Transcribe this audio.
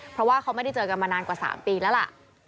เพราะว่าเขาไม่ได้เจอกันมานานกว่า๓ปีแล้วล่ะ